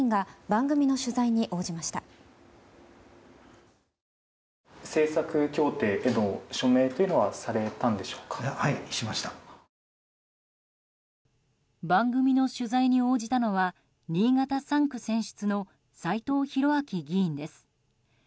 番組の取材に応じたのは新潟３区選出の斎藤洋明議員です。